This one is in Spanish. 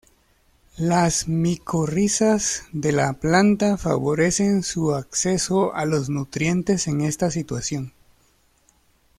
Las micorrizas de la planta favorecen su acceso a los nutrientes en esta situación.